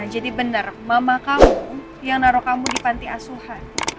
benar mama kamu yang naruh kamu di panti asuhan